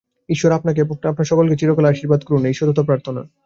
ঈশ্বর আপনাকে এবং আপনাদের সকলকে চিরকাল আশীর্বাদ করুন, এই সতত প্রার্থনা।